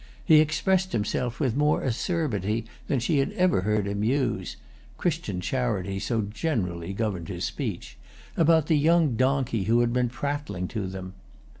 He expressed himself with more acerbity than she had ever heard him use (Christian charity so generally governed his speech) about the young donkey who had been prattling to them.